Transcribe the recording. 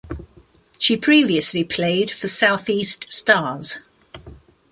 She previously played for South East Stars.